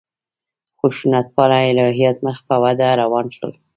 خشونت پاله الهیات مخ په وده روان شول.